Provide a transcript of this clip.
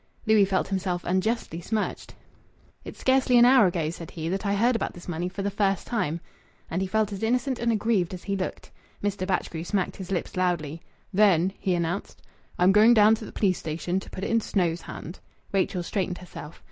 Louis felt himself unjustly smirched. "It's scarcely an hour ago," said he, "that I heard about this money for the first time." And he felt as innocent and aggrieved as he looked. Mr. Batchgrew smacked his lips loudly. "Then," he announced, "I'm going down to th' police station, to put it i' Snow's hands." Rachel straightened herself.